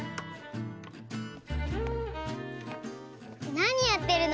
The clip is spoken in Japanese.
なにやってるの？